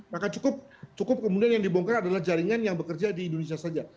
maka cukup kemudian yang dibongkar adalah jaringan yang bekerja di indonesia saja